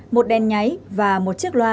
một đèn nháy và một chiếc loa